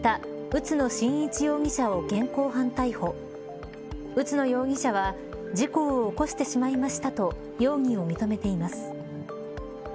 宇都野容疑者は事故を起こしてしまいましたと容疑を認めています。